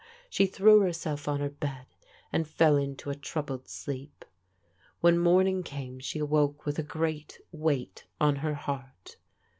She threw herself on her bed and fell into a troubled sleep. When morning came she awoke with a great weight on her heart.